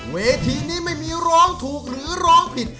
เวทีนี้ไม่มีร้องถูกหรือร้องผิด